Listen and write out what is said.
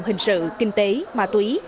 hình sự kinh tế ma túy